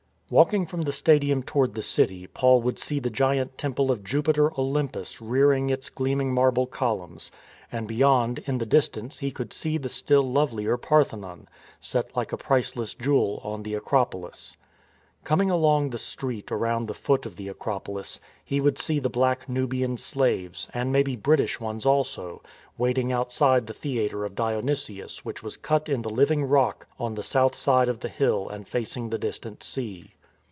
Walking from the Stadium toward the city Paul would see the giant temple of Jupiter Olympus rearing its gleaming marble columns; and beyond in the dis tance he could see the still lovelier Parthenon, set like a priceless jewel on the Acropolis. Coming along the street around the foot of the Acropolis, he would see the black .Nubian slaves, and maybe British ones also, waiting outside the theatre of Dionysius which was cut in the living rock on the south side of the hill and facing the distant sea.